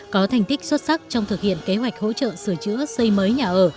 có thành tích xuất sắc trong thực hiện kế hoạch hỗ trợ sửa chữa xây mới nhà ở